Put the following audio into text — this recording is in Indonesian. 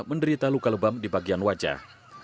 menderita luka lebam di bagian wajah